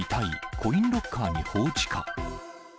コインロッカーに放置か。